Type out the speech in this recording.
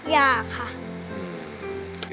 อยากค่ะ